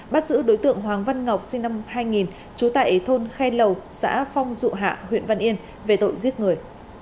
bắt giữ đối tượng hoàng văn ngọc sinh năm hai nghìn trú tại thôn khe lầu xã phong dụ hạ huyện văn yên về tội giết người